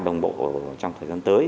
đồng bộ trong thời gian tới